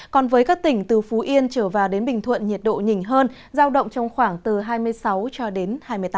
còn với các tỉnh từ phú yên trở vào đến bình thuận nhiệt độ nhìn hơn giao động trong khoảng từ hai mươi sáu cho đến hai mươi tám độ